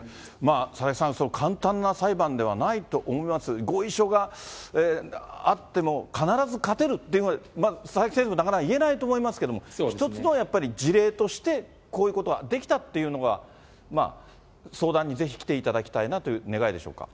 佐々木さん、簡単な裁判ではないと思います、合意書があっても、必ず勝てるとは佐々木先生もなかなか言えないと思いますけれども、一つのやっぱり事例として、こういうことができたというのが、相談にぜひ来ていただきたいなという願いでしょうか。